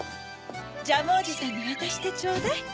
ジャムおじさんにわたしてちょうだい。